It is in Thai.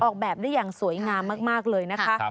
ออกแบบได้อย่างสวยงามมากเลยนะคะ